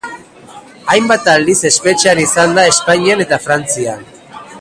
Hainbat aldiz espetxean izan da Espainian eta Frantzian.